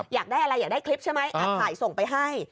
อยากได้อะไรอยากได้คลิปใช่ไหมอัดถ่ายส่งไปให้